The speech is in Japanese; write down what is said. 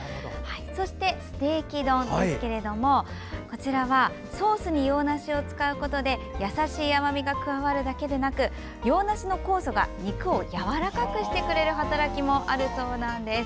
そして、ステーキ丼ですがソースに洋梨を使うことで優しい甘みが加わるだけでなく洋梨の酵素が肉をやわらかくしてくれる働きもあるそうなんです。